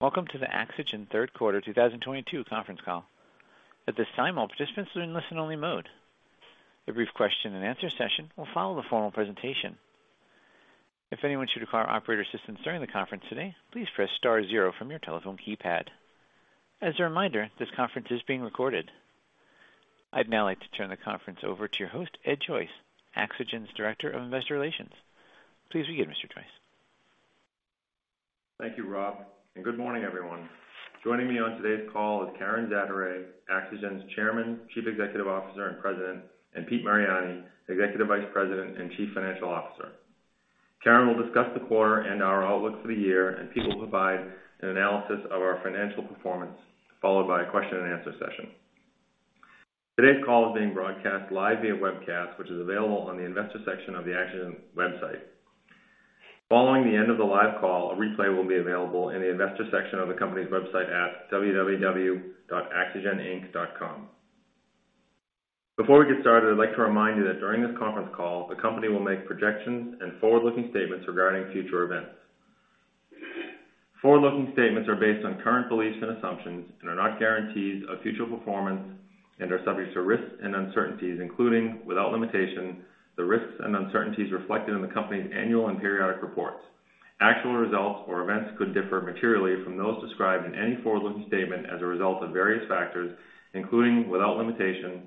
Welcome to the AxoGen third quarter 2022 conference call. At this time, all participants are in listen only mode. A brief question and answer session will follow the formal presentation. If anyone should require operator assistance during the conference today, please press star zero from your telephone keypad. As a reminder, this conference is being recorded. I'd now like to turn the conference over to your host, Ed Chase, AxoGen's Director of Investor Relations. Please begin, Mr. Chase. Thank you, Rob. Good morning, everyone. Joining me on today's call is Karen Zaderej, AxoGen's Chairman, Chief Executive Officer, and President, and Pete Mariani, Executive Vice President and Chief Financial Officer. Karen will discuss the quarter and our outlook for the year. Pete will provide an analysis of our financial performance, followed by a question and answer session. Today's call is being broadcast live via webcast, which is available on the investor section of the AxoGen website. Following the end of the live call, a replay will be available in the investor section of the company's website at www.axogeninc.com. Before we get started, I'd like to remind you that during this conference call, the company will make projections and forward-looking statements regarding future events. Forward-looking statements are based on current beliefs and assumptions and are not guarantees of future performance and are subject to risks and uncertainties, including, without limitation, the risks and uncertainties reflected in the company's annual and periodic reports. Actual results or events could differ materially from those described in any forward-looking statement as a result of various factors, including, without limitation,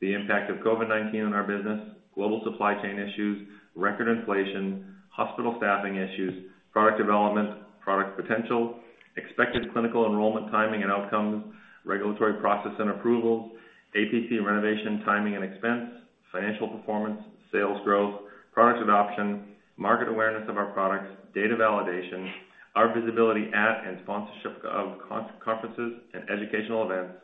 the impact of COVID-19 on our business, global supply chain issues, record inflation, hospital staffing issues, product development, product potential, expected clinical enrollment timing and outcomes, regulatory process and approvals, APC renovation timing and expense, financial performance, sales growth, product adoption, market awareness of our products, data validation, our visibility at and sponsorship of conferences and educational events,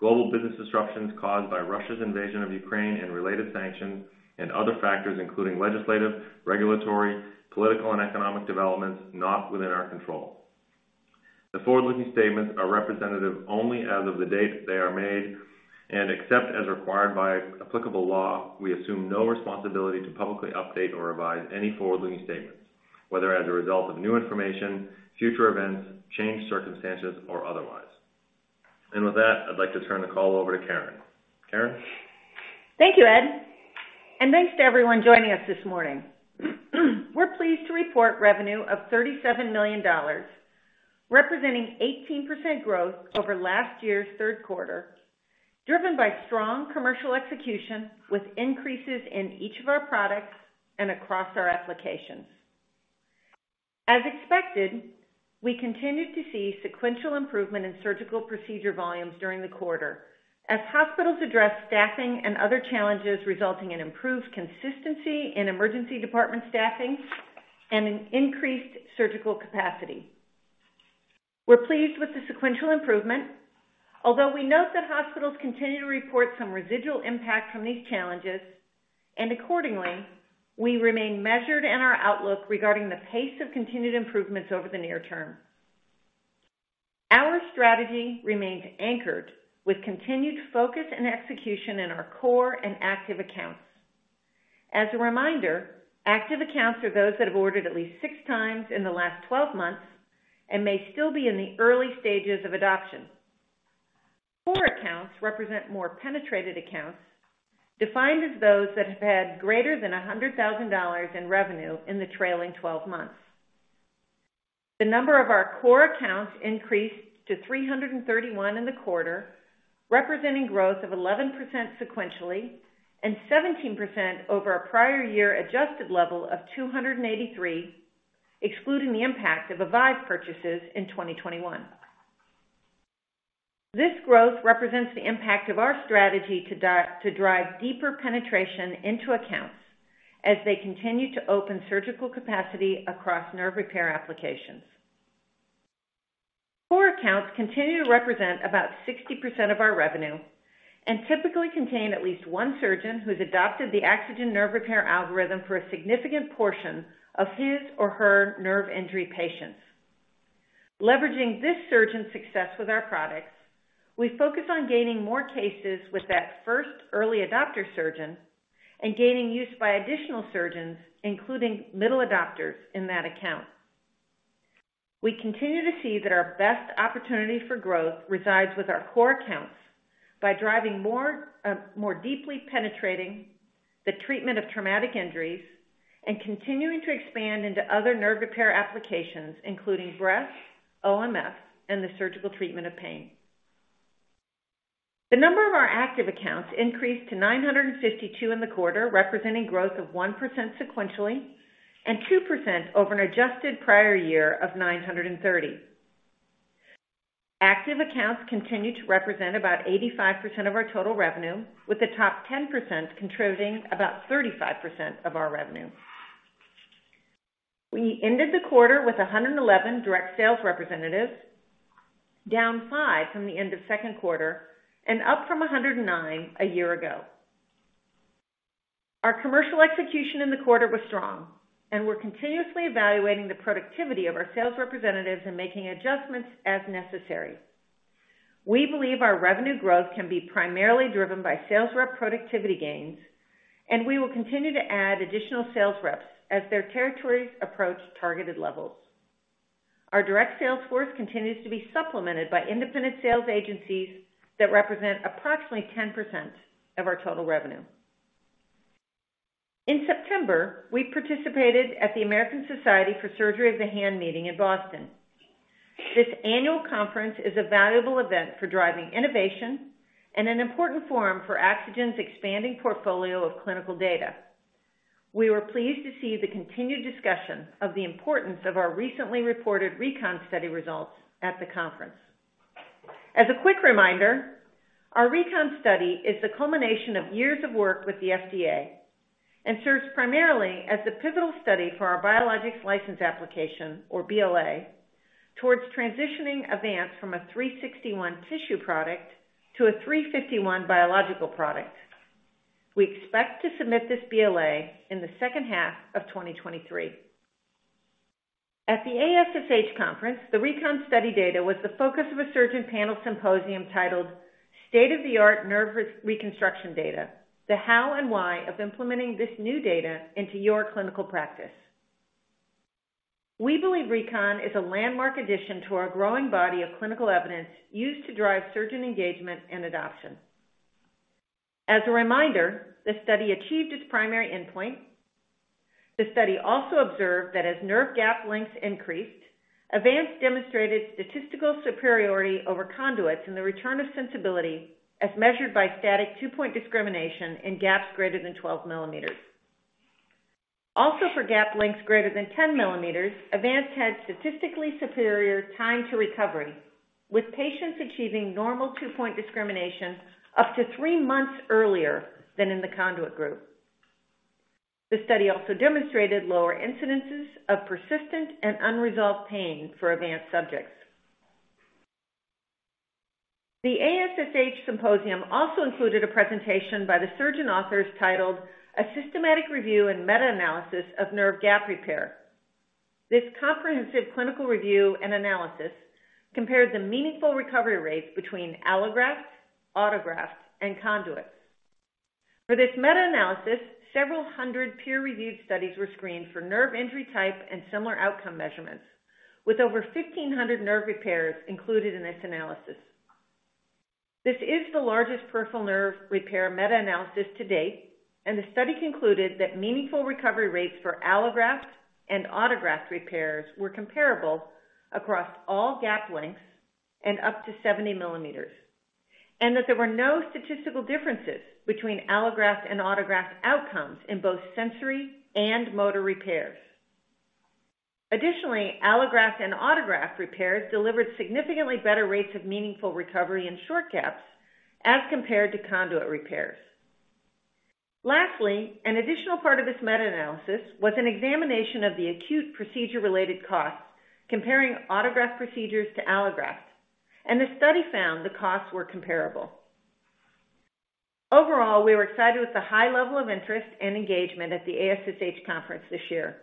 global business disruptions caused by Russia's invasion of Ukraine and related sanctions, and other factors, including legislative, regulatory, political, and economic developments not within our control. The forward-looking statements are representative only as of the date they are made, except as required by applicable law, we assume no responsibility to publicly update or revise any forward-looking statements, whether as a result of new information, future events, changed circumstances, or otherwise. With that, I'd like to turn the call over to Karen. Karen? Thank you, Ed. Thanks to everyone joining us this morning. We're pleased to report revenue of $37 million, representing 18% growth over last year's third quarter, driven by strong commercial execution with increases in each of our products and across our applications. As expected, we continued to see sequential improvement in surgical procedure volumes during the quarter as hospitals address staffing and other challenges resulting in improved consistency in emergency department staffing and an increased surgical capacity. We're pleased with the sequential improvement, although we note that hospitals continue to report some residual impact from these challenges. Accordingly, we remain measured in our outlook regarding the pace of continued improvements over the near term. Our strategy remains anchored with continued focus and execution in our core and active accounts. As a reminder, active accounts are those that have ordered at least six times in the last 12 months and may still be in the early stages of adoption. Core accounts represent more penetrated accounts, defined as those that have had greater than $100,000 in revenue in the trailing 12 months. The number of our core accounts increased to 331 in the quarter, representing growth of 11% sequentially and 17% over our prior year adjusted level of 283, excluding the impact of Avive purchases in 2021. This growth represents the impact of our strategy to drive deeper penetration into accounts as they continue to open surgical capacity across nerve repair applications. Core accounts continue to represent about 60% of our revenue and typically contain at least one surgeon who's adopted the AxoGen nerve repair algorithm for a significant portion of his or her nerve injury patients. Leveraging this surgeon success with our products, we focus on gaining more cases with that first early adopter surgeon and gaining use by additional surgeons, including middle adopters in that account. We continue to see that our best opportunity for growth resides with our core accounts by driving more deeply penetrating the treatment of traumatic injuries and continuing to expand into other nerve repair applications, including breast, OMF, and the surgical treatment of pain. The number of our active accounts increased to 952 in the quarter, representing growth of 1% sequentially and 2% over an adjusted prior year of 930. Active accounts continue to represent about 85% of our total revenue, with the top 10% contributing about 35% of our revenue. We ended the quarter with 111 direct sales representatives, down five from the end of second quarter and up from 109 a year ago. Our commercial execution in the quarter was strong. We're continuously evaluating the productivity of our sales representatives and making adjustments as necessary. We believe our revenue growth can be primarily driven by sales rep productivity gains. We will continue to add additional sales reps as their territories approach targeted levels. Our direct sales force continues to be supplemented by independent sales agencies that represent approximately 10% of our total revenue. In September, we participated at the American Society for Surgery of the Hand meeting in Boston. This annual conference is a valuable event for driving innovation and an important forum for AxoGen's expanding portfolio of clinical data. We were pleased to see the continued discussion of the importance of our recently reported RECON study results at the conference. As a quick reminder, our RECON study is the culmination of years of work with the FDA and serves primarily as the pivotal study for our Biologics License Application, or BLA, towards transitioning Avance from a 361 tissue product to a 351 biological product. We expect to submit this BLA in the second half of 2023. At the ASSH conference, the RECON study data was the focus of a surgeon panel symposium titled "State-of-the-Art Nerve Reconstruction Data: The How and Why of Implementing This New Data into Your Clinical Practice." We believe RECON is a landmark addition to our growing body of clinical evidence used to drive surgeon engagement and adoption. As a reminder, the study achieved its primary endpoint. The study also observed that as nerve gap lengths increased, Avance demonstrated statistical superiority over conduits in the return of sensibility as measured by static two-point discrimination in gaps greater than 12 millimeters. Also, for gap lengths greater than 10 millimeters, Avance had statistically superior time to recovery, with patients achieving normal two-point discrimination up to three months earlier than in the conduit group. The study also demonstrated lower incidences of persistent and unresolved pain for Avance subjects. The ASSH symposium also included a presentation by the surgeon authors titled, "A Systematic Review and Meta-analysis of Nerve Gap Repair." This comprehensive clinical review and analysis compared the meaningful recovery rates between allografts, autografts, and conduits. For this meta-analysis, several hundred peer-reviewed studies were screened for nerve injury type and similar outcome measurements, with over 1,500 nerve repairs included in this analysis. This is the largest peripheral nerve repair meta-analysis to date. The study concluded that meaningful recovery rates for allograft and autograft repairs were comparable across all gap lengths and up to 70 millimeters. There were no statistical differences between allograft and autograft outcomes in both sensory and motor repairs. Additionally, allograft and autograft repairs delivered significantly better rates of meaningful recovery in short gaps as compared to conduit repairs. Lastly, an additional part of this meta-analysis was an examination of the acute procedure-related costs comparing autograft procedures to allografts, and the study found the costs were comparable. Overall, we were excited with the high level of interest and engagement at the ASSH conference this year.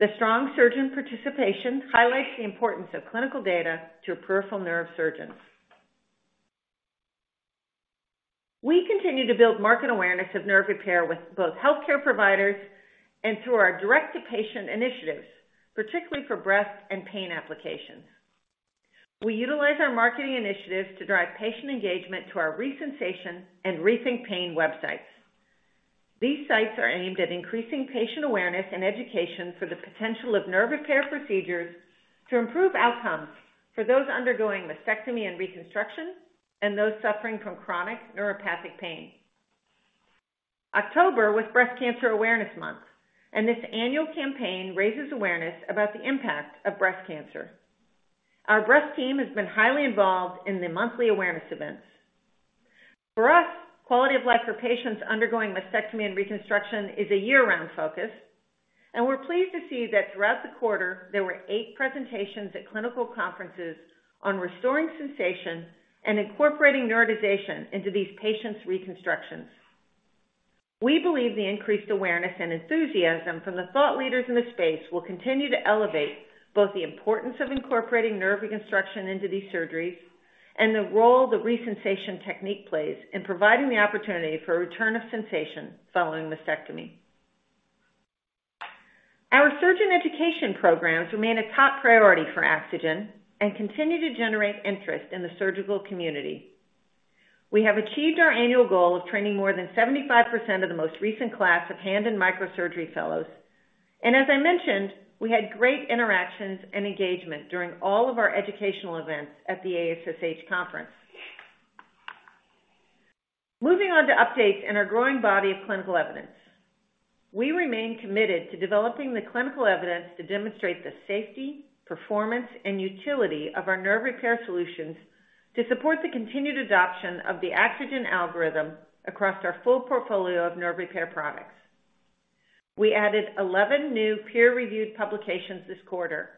The strong surgeon participation highlights the importance of clinical data to peripheral nerve surgeons. We continue to build market awareness of nerve repair with both healthcare providers and through our direct-to-patient initiatives, particularly for breast and pain applications. We utilize our marketing initiatives to drive patient engagement to our ReSensation and Rethink Pain websites. These sites are aimed at increasing patient awareness and education for the potential of nerve repair procedures to improve outcomes for those undergoing mastectomy and reconstruction and those suffering from chronic neuropathic pain. October was Breast Cancer Awareness Month. This annual campaign raises awareness about the impact of breast cancer. Our breast team has been highly involved in the monthly awareness events. For us, quality of life for patients undergoing mastectomy and reconstruction is a year-round focus, and we're pleased to see that throughout the quarter, there were eight presentations at clinical conferences on restoring sensation and incorporating neurotization into these patients' reconstructions. We believe the increased awareness and enthusiasm from the thought leaders in the space will continue to elevate both the importance of incorporating nerve reconstruction into these surgeries and the role the ReSensation technique plays in providing the opportunity for a return of sensation following mastectomy. Our surgeon education programs remain a top priority for AxoGen and continue to generate interest in the surgical community. We have achieved our annual goal of training more than 75% of the most recent class of hand and microsurgery fellows. As I mentioned, we had great interactions and engagement during all of our educational events at the ASSH conference. Moving on to updates in our growing body of clinical evidence. We remain committed to developing the clinical evidence to demonstrate the safety, performance, and utility of our nerve repair solutions to support the continued adoption of the AxoGen algorithm across our full portfolio of nerve repair products. We added 11 new peer-reviewed publications this quarter,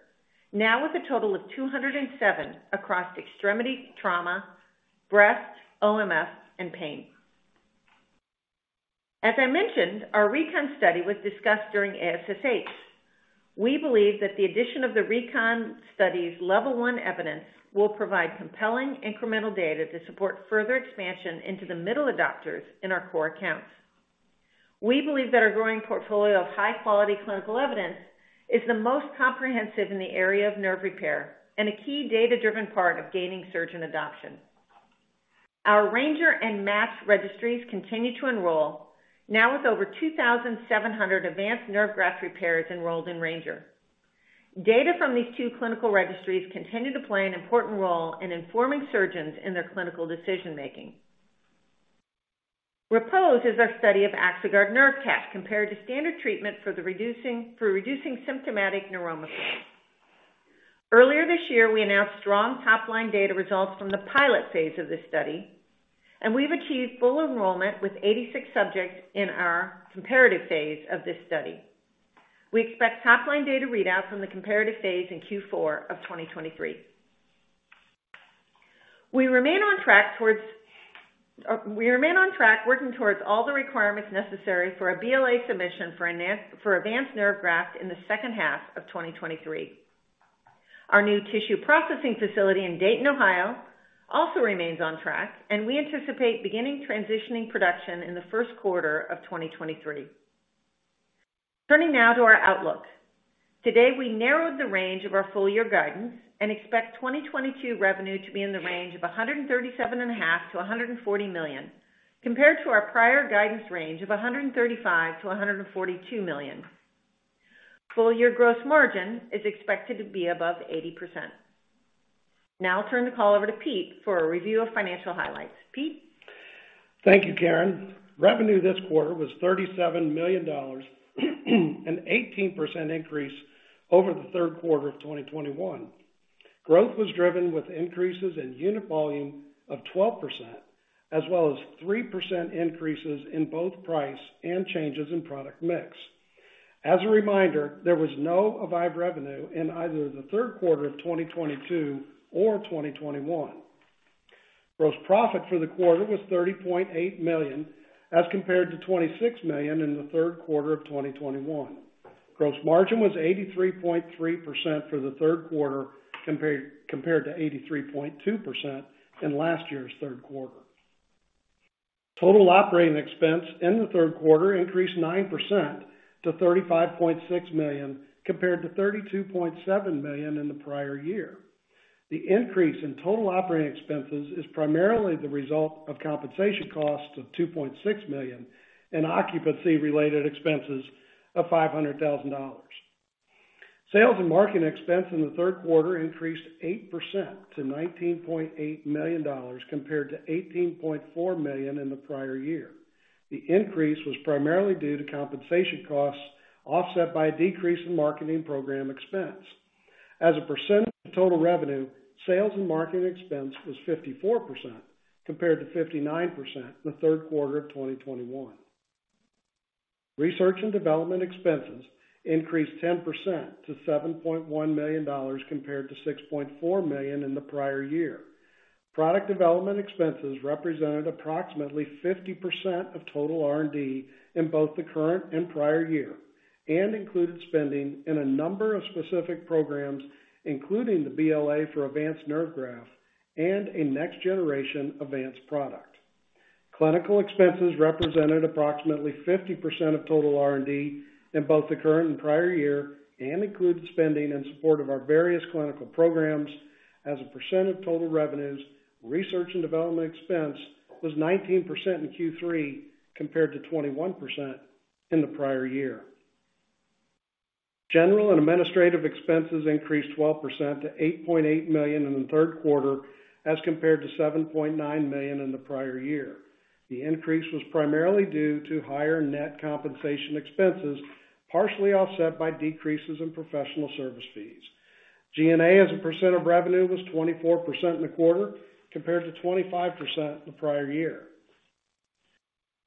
now with a total of 207 across extremity, trauma, breast, OMF, and pain. As I mentioned, our RECON study was discussed during ASSH. We believe that the addition of the RECON study's level 1 evidence will provide compelling incremental data to support further expansion into the middle adopters in our core accounts. We believe that our growing portfolio of high-quality clinical evidence is the most comprehensive in the area of nerve repair and a key data-driven part of gaining surgeon adoption. Our RANGER and MATCH registries continue to enroll, now with over 2,700 Avance Nerve Graft repairs enrolled in RANGER. Data from these two clinical registries continue to play an important role in informing surgeons in their clinical decision-making. REPOSE is our study of AxoGuard Nerve Cap compared to standard treatment for reducing symptomatic neuroma pain. Earlier this year, we announced strong top-line data results from the pilot phase of this study. We've achieved full enrollment with 86 subjects in our comparative phase of this study. We expect top-line data readout from the comparative phase in Q4 of 2023. We remain on track working towards all the requirements necessary for a BLA submission for Avance Nerve Graft in the second half of 2023. Our new tissue processing facility in Dayton, Ohio, also remains on track. We anticipate beginning transitioning production in the first quarter of 2023. Turning now to our outlook. Today, we narrowed the range of our full-year guidance and expect 2022 revenue to be in the range of $137.5 million-$140 million, compared to our prior guidance range of $135 million-$142 million. Full-year gross margin is expected to be above 80%. Now I'll turn the call over to Pete for a review of financial highlights. Pete? Thank you, Karen. Revenue this quarter was $37 million, an 18% increase over the third quarter of 2021. Growth was driven with increases in unit volume of 12%, as well as 3% increases in both price and changes in product mix. As a reminder, there was no Avive revenue in either the third quarter of 2022 or 2021. Gross profit for the quarter was $30.8 million, as compared to $26 million in the third quarter of 2021. Gross margin was 83.3% for the third quarter, compared to 83.2% in last year's third quarter. Total operating expense in the third quarter increased 9% to $35.6 million, compared to $32.7 million in the prior year. The increase in total operating expenses is primarily the result of compensation costs of $2.6 million and occupancy-related expenses of $500,000. Sales and marketing expense in the third quarter increased 8% to $19.8 million, compared to $18.4 million in the prior year. The increase was primarily due to compensation costs, offset by a decrease in marketing program expense. As a percent of total revenue, sales and marketing expense was 54%, compared to 59% in the third quarter of 2021. Research and development expenses increased 10% to $7.1 million, compared to $6.4 million in the prior year. Product development expenses represented approximately 50% of total R&D in both the current and prior year and included spending in a number of specific programs, including the BLA for Avance Nerve Graft and a next-generation advanced product. Clinical expenses represented approximately 50% of total R&D in both the current and prior year and included spending in support of our various clinical programs. Research and development expense was 19% in Q3, compared to 21% in the prior year. General and administrative expenses increased 12% to $8.8 million in the third quarter, as compared to $7.9 million in the prior year. The increase was primarily due to higher net compensation expenses, partially offset by decreases in professional service fees. G&A as a percent of revenue was 24% in the quarter, compared to 25% the prior year.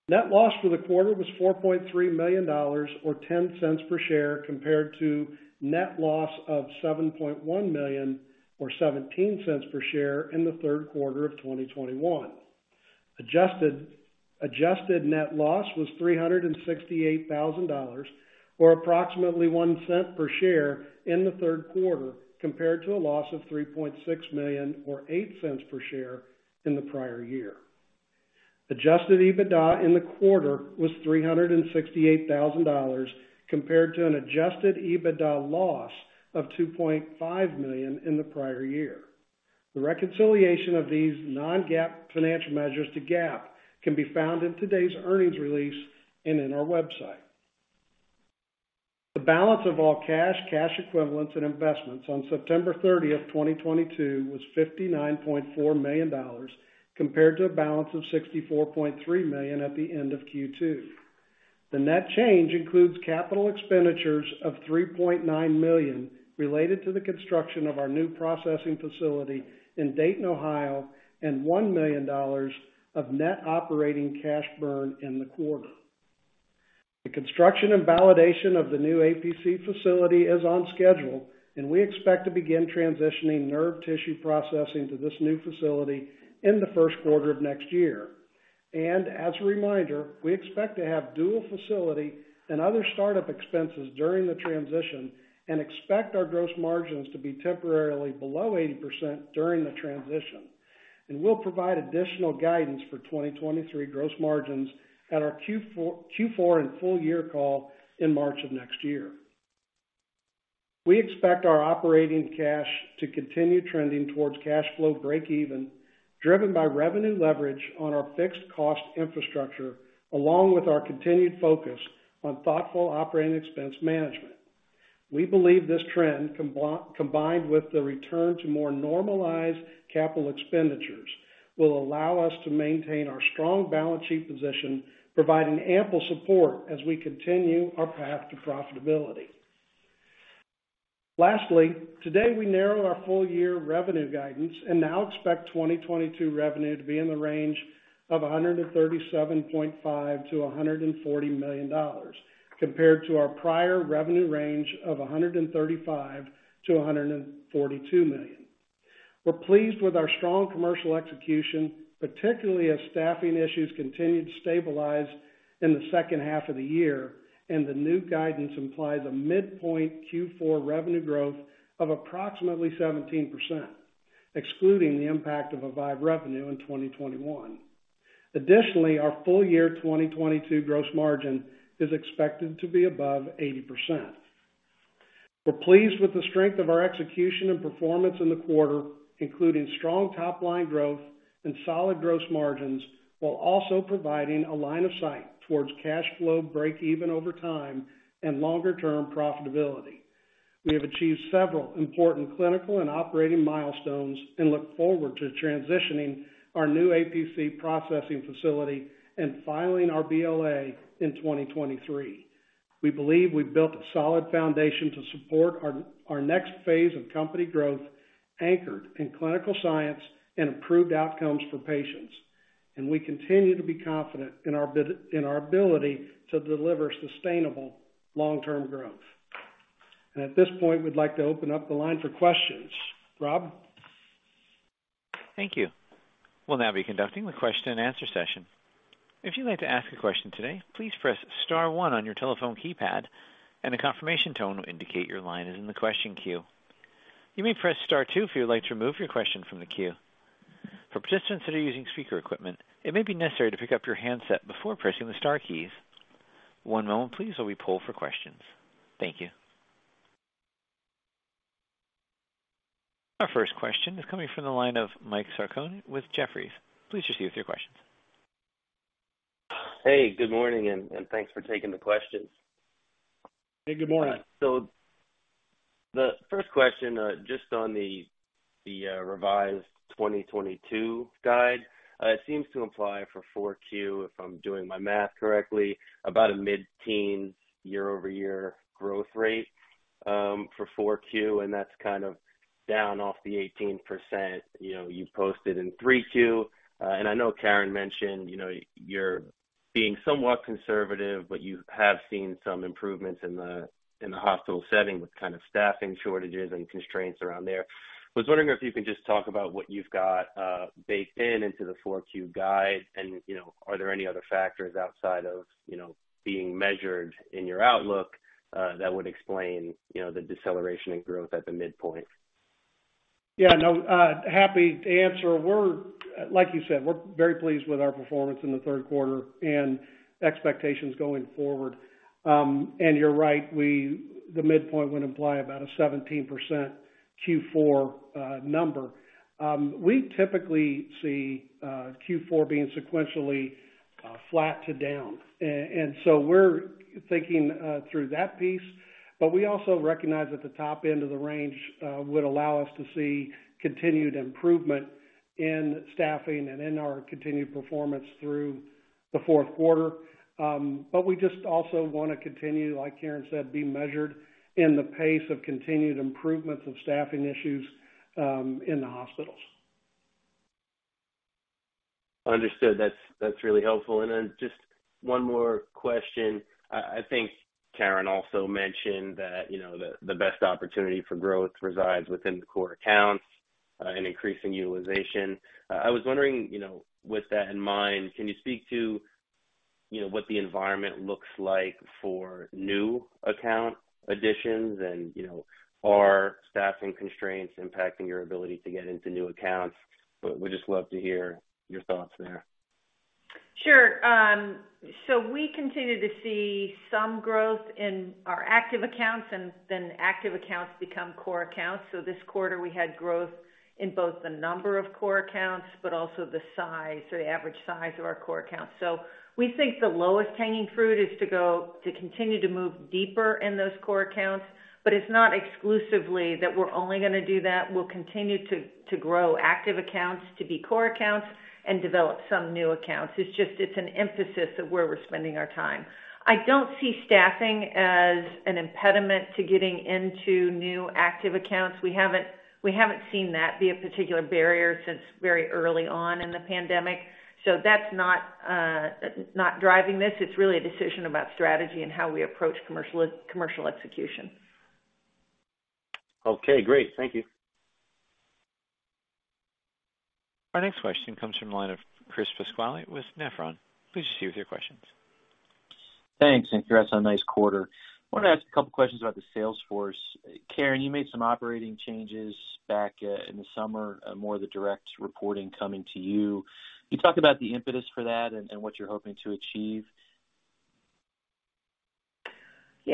Net loss for the quarter was $4.3 million, or $0.10 per share, compared to net loss of $7.1 million, or $0.17 per share in the third quarter of 2021. Adjusted net loss was $368,000, or approximately $0.01 per share in the third quarter, compared to a loss of $3.6 million or $0.08 per share in the prior year. Adjusted EBITDA in the quarter was $368,000 compared to an adjusted EBITDA loss of $2.5 million in the prior year. The reconciliation of these non-GAAP financial measures to GAAP can be found in today's earnings release and in our website. The balance of all cash equivalents, and investments on September 30th, 2022, was $59.4 million, compared to a balance of $64.3 million at the end of Q2. The net change includes capital expenditures of $3.9 million related to the construction of our new processing facility in Dayton, Ohio, and $1 million of net operating cash burn in the quarter. The construction and validation of the new APC facility is on schedule, and we expect to begin transitioning nerve tissue processing to this new facility in the first quarter of next year. As a reminder, we expect to have dual facility and other startup expenses during the transition and expect our gross margins to be temporarily below 80% during the transition. We'll provide additional guidance for 2023 gross margins at our Q4 and full year call in March of next year. We expect our operating cash to continue trending towards cash flow breakeven, driven by revenue leverage on our fixed cost infrastructure, along with our continued focus on thoughtful operating expense management. We believe this trend, combined with the return to more normalized capital expenditures, will allow us to maintain our strong balance sheet position, providing ample support as we continue our path to profitability. Lastly, today we narrowed our full year revenue guidance and now expect 2022 revenue to be in the range of $137.5 million-$140 million, compared to our prior revenue range of $135 million-$142 million. We're pleased with our strong commercial execution, particularly as staffing issues continue to stabilize in the second half of the year. The new guidance implies a midpoint Q4 revenue growth of approximately 17%, excluding the impact of Avive revenue in 2021. Additionally, our full year 2022 gross margin is expected to be above 80%. We're pleased with the strength of our execution and performance in the quarter, including strong top-line growth and solid gross margins, while also providing a line of sight towards cash flow breakeven over time and longer-term profitability. We have achieved several important clinical and operating milestones and look forward to transitioning our new APC processing facility and filing our BLA in 2023. We believe we've built a solid foundation to support our next phase of company growth, anchored in clinical science and improved outcomes for patients. We continue to be confident in our ability to deliver sustainable long-term growth. At this point, we'd like to open up the line for questions. Rob? Thank you. We'll now be conducting the question and answer session. If you'd like to ask a question today, please press star 1 on your telephone keypad and a confirmation tone will indicate your line is in the question queue. You may press star 2 if you would like to remove your question from the queue. For participants that are using speaker equipment, it may be necessary to pick up your handset before pressing the star keys. One moment please while we poll for questions. Thank you. Our first question is coming from the line of Mike Sarcone with Jefferies. Please proceed with your questions. Hey, good morning, and thanks for taking the questions. Hey, good morning. The first question, just on the revised 2022 guide. It seems to imply for 4Q, if I'm doing my math correctly, about a mid-teens year-over-year growth rate, for 4Q, and that's down off the 18% you posted in Q3. I know Karen mentioned you're being somewhat conservative, but you have seen some improvements in the hospital setting with staffing shortages and constraints around there. I was wondering if you can just talk about what you've got baked into the 4Q guide and are there any other factors outside of being measured in your outlook that would explain the deceleration in growth at the midpoint? Yeah, no, happy to answer. Like you said, we're very pleased with our performance in the third quarter and expectations going forward. You're right, the midpoint would imply about a 17% Q4 number. We typically see Q4 being sequentially flat to down. We're thinking through that piece, but we also recognize that the top end of the range would allow us to see continued improvement in staffing and in our continued performance through the fourth quarter. We just also want to continue, like Karen said, be measured in the pace of continued improvements of staffing issues in the hospitals. Understood. That's really helpful. Just one more question. I think Karen also mentioned that the best opportunity for growth resides within the core accounts and increasing utilization. I was wondering, with that in mind, can you speak to what the environment looks like for new account additions and are staffing constraints impacting your ability to get into new accounts? Would just love to hear your thoughts there. Sure. We continue to see some growth in our active accounts, active accounts become core accounts. This quarter, we had growth in both the number of core accounts, but also the size or the average size of our core accounts. We think the lowest hanging fruit is to continue to move deeper in those core accounts. It's not exclusively that we're only going to do that. We'll continue to grow active accounts to be core accounts and develop some new accounts. It's just an emphasis of where we're spending our time. I don't see staffing as an impediment to getting into new active accounts. We haven't seen that be a particular barrier since very early on in the pandemic. That's not driving this. It's really a decision about strategy and how we approach commercial execution. Okay, great. Thank you. Our next question comes from the line of Chris Pasquale with Nephron. Please proceed with your questions. Thanks, and congrats on a nice quarter. I wanted to ask a couple questions about the sales force. Karen, you made some operating changes back in the summer, more of the direct reporting coming to you. Can you talk about the impetus for that and what you're hoping to achieve? We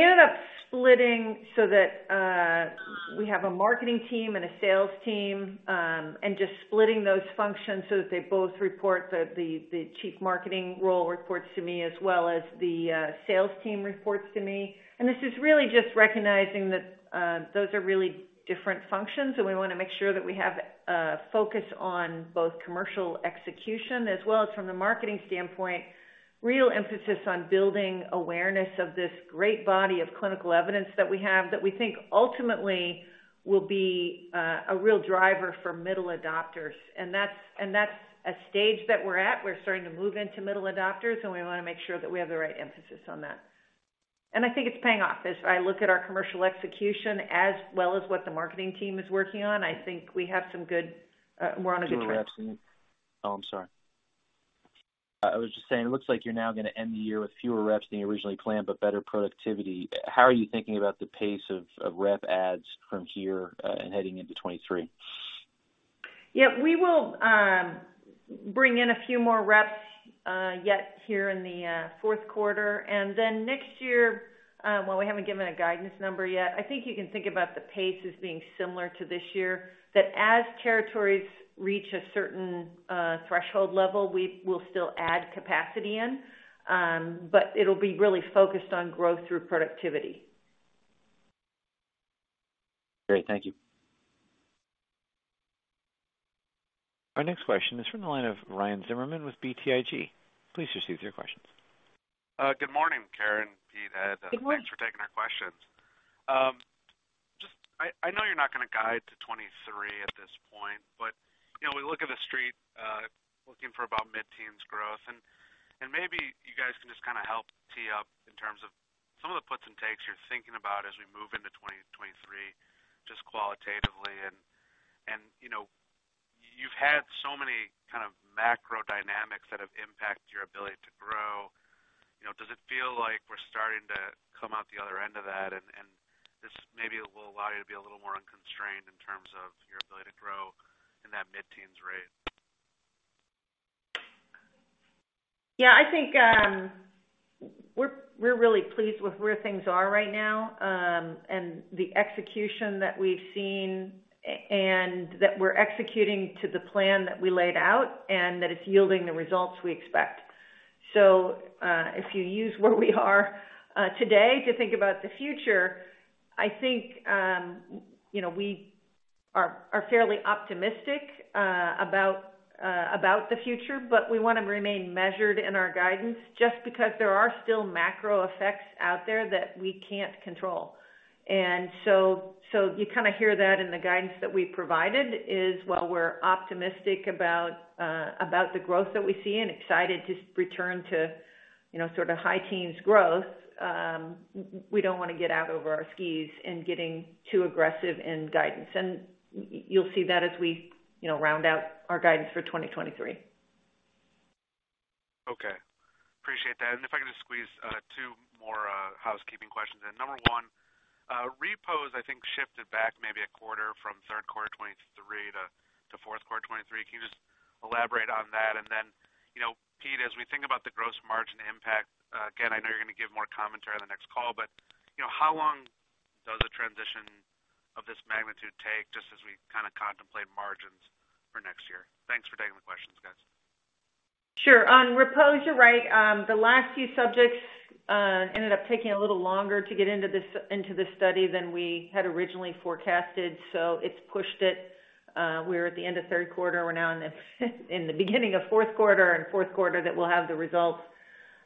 ended up splitting so that we have a marketing team and a sales team, and just splitting those functions so that they both report. The chief marketing role reports to me, as well as the sales team reports to me. This is really just recognizing that those are really different functions, and we want to make sure that we have a focus on both commercial execution as well as, from the marketing standpoint, real emphasis on building awareness of this great body of clinical evidence that we have that we think ultimately will be a real driver for middle adopters. That's a stage that we're at. We're starting to move into middle adopters, and we want to make sure that we have the right emphasis on that. I think it's paying off. As I look at our commercial execution as well as what the marketing team is working on, I think we're on a good track. I'm sorry. I was just saying, it looks like you're now going to end the year with fewer reps than you originally planned, but better productivity. How are you thinking about the pace of rep adds from here and heading into 2023? Yeah. We will bring in a few more reps yet here in the fourth quarter. Next year, while we haven't given a guidance number yet, I think you can think about the pace as being similar to this year, that as territories reach a certain threshold level, we will still add capacity in. It'll be really focused on growth through productivity. Great. Thank you. Our next question is from the line of Ryan Zimmerman with BTIG. Please proceed with your questions. Good morning, Karen, Pete, Ed. Good morning. Thanks for taking our questions. I know you're not going to guide to 2023 at this point, we look at the street, looking for about mid-teens growth. Maybe you guys can just help tee up in terms of some of the puts and takes you're thinking about as we move into 2023, just qualitatively. You've had so many macro dynamics that have impacted your ability to grow. Does it feel like we're starting to come out the other end of that, and this maybe will allow you to be a little more unconstrained in terms of your ability to grow in that mid-teens rate? Yeah, I think we're really pleased with where things are right now, and the execution that we've seen, and that we're executing to the plan that we laid out, and that it's yielding the results we expect. If you use where we are today to think about the future, I think we are fairly optimistic about the future. We want to remain measured in our guidance, just because there are still macro effects out there that we can't control. You hear that in the guidance that we provided, is while we're optimistic about the growth that we see and excited to return to high teens growth, we don't want to get out over our skis in getting too aggressive in guidance. You'll see that as we round out our guidance for 2023. Okay. Appreciate that. If I could just squeeze two more housekeeping questions in. Number one, REPOSE, I think, shifted back maybe a quarter from third quarter 2023 to fourth quarter 2023. Can you just elaborate on that? Pete Mariani, as we think about the gross margin impact, again, I know you're going to give more commentary on the next call, but how long does a transition of this magnitude take, just as we contemplate margins for next year? Thanks for taking the questions, guys. Sure. On REPOSE, you're right. The last few subjects ended up taking a little longer to get into the study than we had originally forecasted. It's pushed it. We were at the end of third quarter. We're now in the beginning of fourth quarter, and fourth quarter that we'll have the results.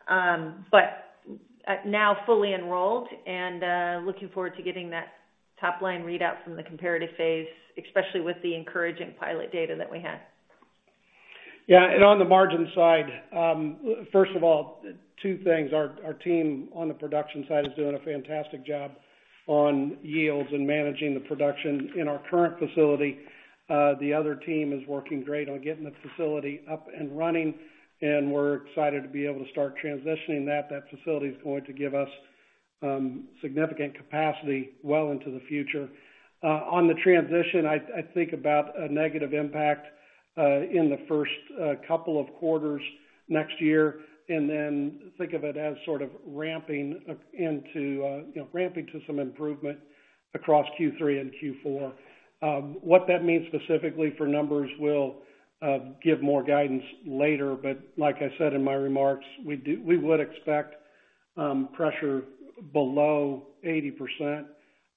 Now fully enrolled and looking forward to getting that top-line readout from the comparative phase, especially with the encouraging pilot data that we have. Yeah. On the margin side, first of all, two things. Our team on the production side is doing a fantastic job on yields and managing the production in our current facility. The other team is working great on getting the facility up and running, and we're excited to be able to start transitioning that. That facility's going to give us significant capacity well into the future. On the transition, I think about a negative impact in the first couple of quarters next year, then think of it as sort of ramping to some improvement across Q3 and Q4. What that means specifically for numbers, we'll give more guidance later. Like I said in my remarks, we would expect pressure below 80%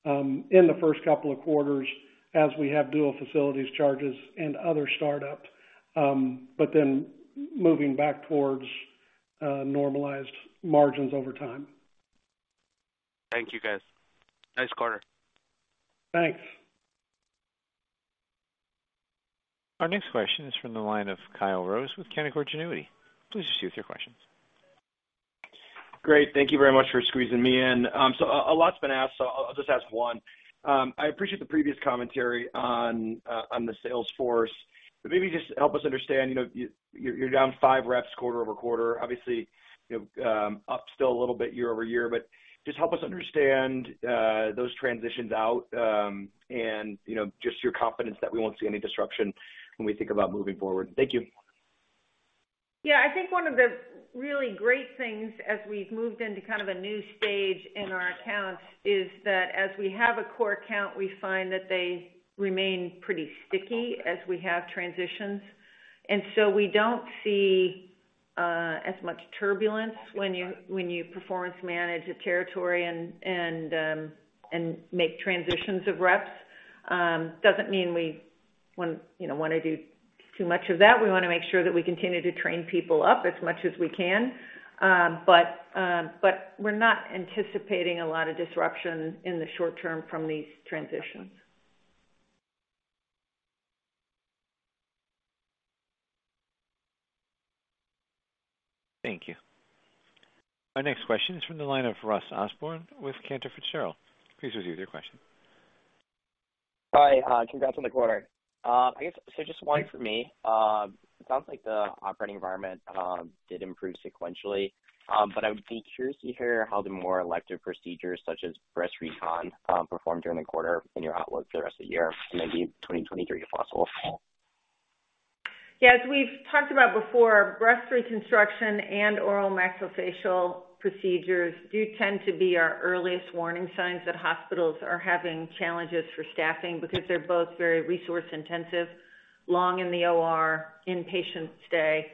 in the first couple of quarters as we have dual facilities charges and other startups. Moving back towards normalized margins over time. Thank you, guys. Nice quarter. Thanks. Our next question is from the line of Kyle Rose with Canaccord Genuity. Please proceed with your questions. Great. Thank you very much for squeezing me in. A lot's been asked, I'll just ask one. I appreciate the previous commentary on the sales force, but maybe just help us understand, you're down five reps quarter-over-quarter, obviously, up still a little bit year-over-year, but just help us understand those transitions out, and just your confidence that we won't see any disruption when we think about moving forward. Thank you. I think one of the really great things as we've moved into kind of a new stage in our accounts is that as we have a core count, we find that they remain pretty sticky as we have transitions. We don't see as much turbulence when you performance manage a territory and make transitions of reps. Doesn't mean we want to do too much of that. We want to make sure that we continue to train people up as much as we can. We're not anticipating a lot of disruption in the short term from these transitions. Thank you. Our next question is from the line of Ross Osborn with Cantor Fitzgerald. Please proceed with your question. Hi, congrats on the quarter. I guess, just one from me. It sounds like the operating environment did improve sequentially. I would be curious to hear how the more elective procedures, such as breast recon, performed during the quarter and your outlook for the rest of the year and maybe 2023, if possible. Yeah, as we've talked about before, breast reconstruction and oral maxillofacial procedures do tend to be our earliest warning signs that hospitals are having challenges for staffing because they're both very resource intensive, long in the OR, in-patient stay.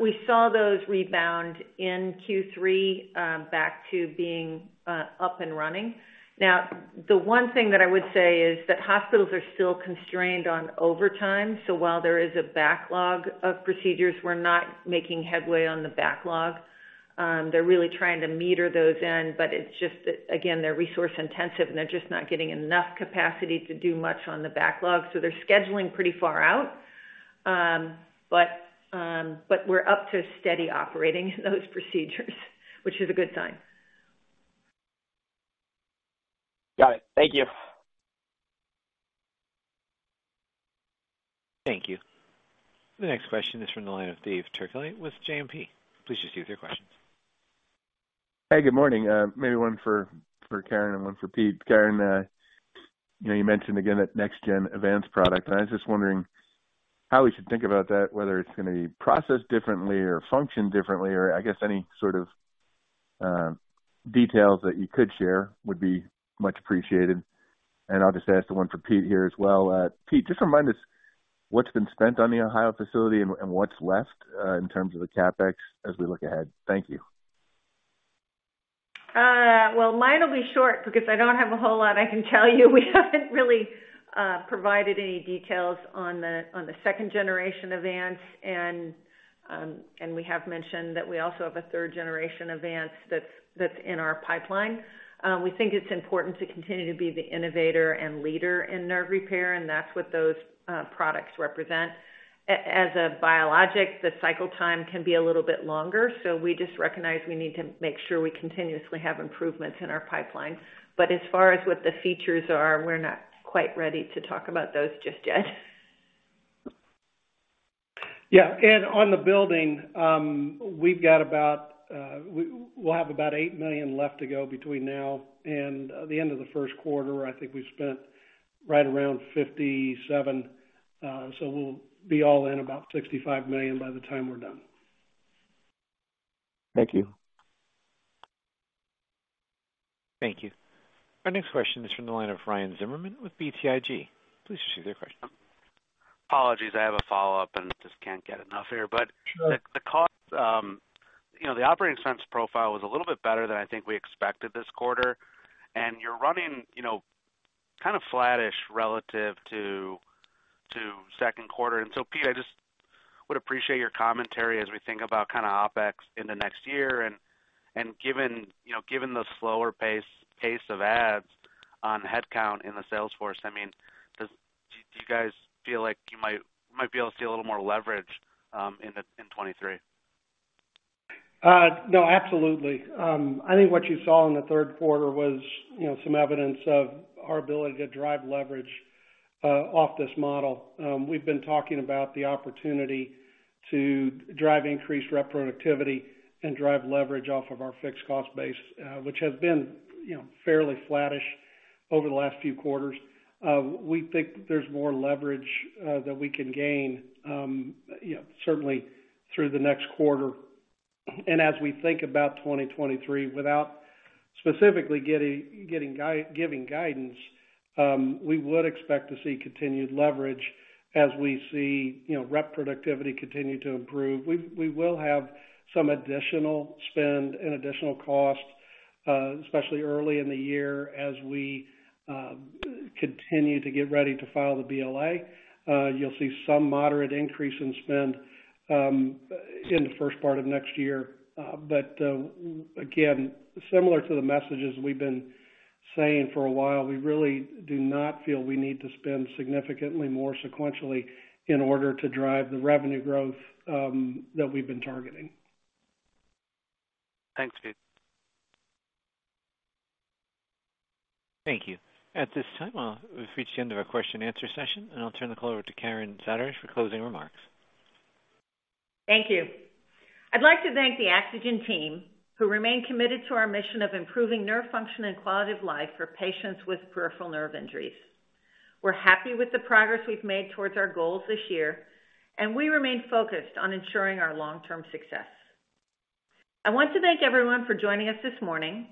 We saw those rebound in Q3, back to being up and running. The one thing that I would say is that hospitals are still constrained on overtime, so while there is a backlog of procedures, we're not making headway on the backlog. They're really trying to meter those in, but it's just that, again, they're resource intensive, and they're just not getting enough capacity to do much on the backlog, so they're scheduling pretty far out. We're up to steady operating those procedures, which is a good sign. Got it. Thank you. Thank you. The next question is from the line of Dave Turkaly with JMP. Please proceed with your questions. Hey, good morning. Maybe one for Karen and one for Pete. Karen, you mentioned again that next gen Avance product, and I was just wondering how we should think about that, whether it's going to be processed differently or function differently, or I guess any sort of details that you could share would be much appreciated. I'll just ask the one for Pete here as well. Pete, just remind us what's been spent on the Ohio facility and what's left in terms of the CapEx as we look ahead. Thank you. Well, mine will be short because I don't have a whole lot I can tell you. We haven't really provided any details on the second generation of Avance, we have mentioned that we also have a third generation of Avance that's in our pipeline. We think it's important to continue to be the innovator and leader in nerve repair, that's what those products represent. As a biologic, the cycle time can be a little bit longer, we just recognize we need to make sure we continuously have improvements in our pipeline. As far as what the features are, we're not quite ready to talk about those just yet. Yeah. On the building, we'll have about $8 million left to go between now and the end of the first quarter. I think we've spent right around $57 million, we'll be all in about $65 million by the time we're done. Thank you. Thank you. Our next question is from the line of Ryan Zimmerman with BTIG. Please proceed with your question. Apologies, I have a follow-up and just can't get enough here. The operating expense profile was a little bit better than I think we expected this quarter, and you're running kind of flattish relative to second quarter. So Pete, I just would appreciate your commentary as we think about OpEx in the next year, and given the slower pace of adds on headcount in the sales force, do you guys feel like you might be able to see a little more leverage in 2023? No, absolutely. I think what you saw in the third quarter was some evidence of our ability to drive leverage off this model. We've been talking about the opportunity to drive increased rep productivity and drive leverage off of our fixed cost base, which has been fairly flattish over the last few quarters. We think there's more leverage that we can gain, certainly through the next quarter. As we think about 2023, without specifically giving guidance, we would expect to see continued leverage as we see rep productivity continue to improve. We will have some additional spend and additional cost, especially early in the year as we continue to get ready to file the BLA. You'll see some moderate increase in spend in the first part of next year. Again, similar to the messages we've been saying for a while, we really do not feel we need to spend significantly more sequentially in order to drive the revenue growth that we've been targeting. Thanks, Pete. Thank you. At this time, we've reached the end of our question and answer session. I'll turn the call over to Karen Zaderej for closing remarks. Thank you. I'd like to thank the AxoGen team, who remain committed to our mission of improving nerve function and quality of life for patients with peripheral nerve injuries. We're happy with the progress we've made towards our goals this year. We remain focused on ensuring our long-term success. I want to thank everyone for joining us this morning.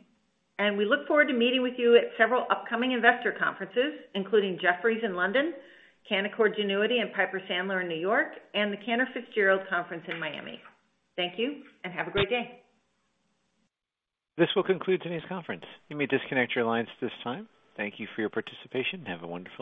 We look forward to meeting with you at several upcoming investor conferences, including Jefferies in London, Canaccord Genuity and Piper Sandler in New York, the Cantor Fitzgerald conference in Miami. Thank you. Have a great day. This will conclude today's conference. You may disconnect your lines at this time. Thank you for your participation. Have a wonderful day.